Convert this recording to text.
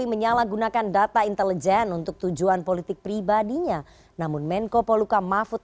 selamat malam mas joko